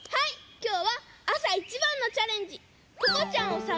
きょうはあさいちばんのチャレンジ！